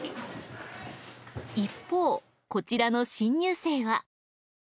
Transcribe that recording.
一方こちらの新入生は。